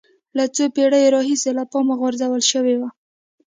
له څو پېړیو راهیسې له پامه غورځول شوی و